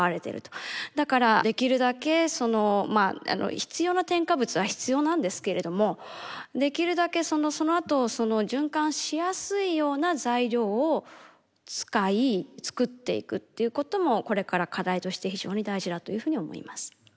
だからできるだけその必要な添加物は必要なんですけれどもできるだけそのあとその循環しやすいような材料を使い作っていくっていうこともこれから課題として非常に大事だというふうに思います。